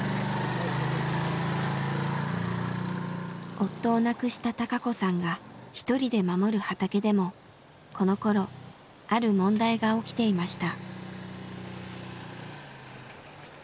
夫を亡くした孝子さんが１人で守る畑でもこのころある問題が起きていました。